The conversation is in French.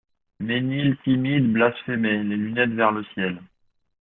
Ménil, timide, blasphémait, les lunettes vers le ciel.